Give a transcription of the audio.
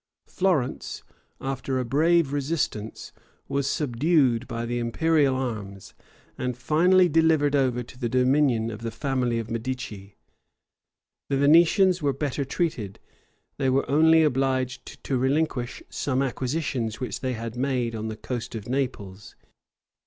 Florence, after a brave resistance, was subdued by the imperial arms, and finally delivered over to the dominion of the family of Medici. The Venetians were better treated: they were only obliged to relinquish some acquisitions which they had made on the coast of Naples.